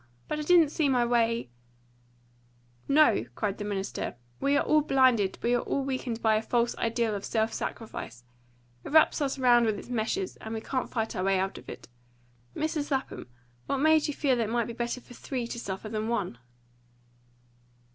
But I didn't see my way " "No," cried the minister, "we are all blinded, we are all weakened by a false ideal of self sacrifice. It wraps us round with its meshes, and we can't fight our way out of it. Mrs. Lapham, what made you feel that it might be better for three to suffer than one?"